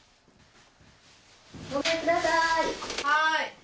はい。